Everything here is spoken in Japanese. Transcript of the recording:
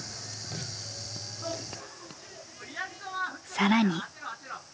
更に。